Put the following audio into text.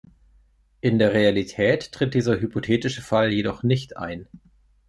In der Realität tritt dieser hypothetische Fall jedoch nicht ein.